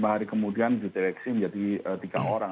empat lima hari kemudian direksi menjadi tiga orang